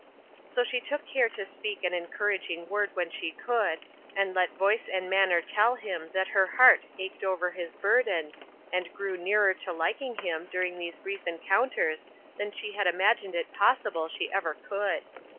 So she took care to speak an encouraging word when she could, and let voice and manner tell him that her heart ached over his burden, and grew nearer to liking him during these brief en counters than she had imagined it possible she ever could.